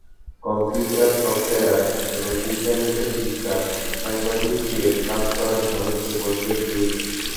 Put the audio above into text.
Computer, software এবং ইন্টারনেটের বিস্তার সাংবাদিকদের কাজ করার ধরনকে বদলে দিয়েছে।